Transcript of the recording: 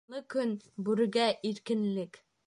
Буранлы көн бүрегә иркенлек.